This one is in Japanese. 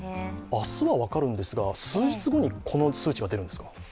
明日は分かるんですが、数日後にこの数値が出るんですか？